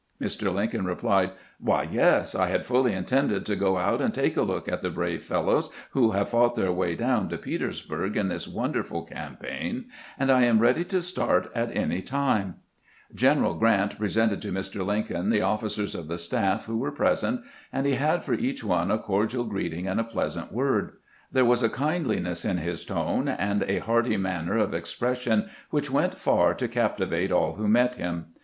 Mr. Lincoln replied :" Why, yes ; I had fully intended to go out and take a look at the brave fellows who have fought their way down to Petersburg in this wonderful campaign, and I am ready to start at any time." 218 CAMPAIGNING "WITH GRANT General Grant, presented to Mr. Lincoln the officers of the staff who were present, and he had for each one a cordial greeting and a pleasant word. There was a kindliness in his tone and a hearty manner of expres sion which went far to captivate all who met him.